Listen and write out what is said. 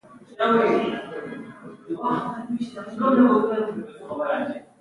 مالومات ور اضافه که او بیا یې په یو فایل کې واچوه